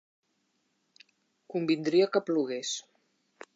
Convindria que plogués.